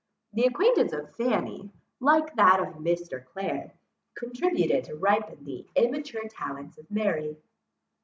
The acquaintance of Fanny, like that of Mr. Clare, contributed to ripen the immature talents of Mary.